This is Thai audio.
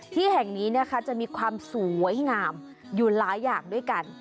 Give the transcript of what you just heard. ที่แห่งนี้นะคะจะมีความสวยงามอยู่หลายอย่างด้วยกัน